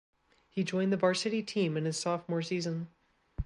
He joined the varsity team in his sophomore season.